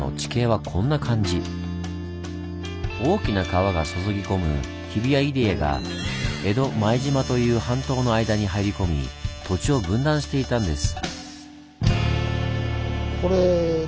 大きな川が注ぎ込む日比谷入江が江戸前島という半島の間に入り込み土地を分断していたんです。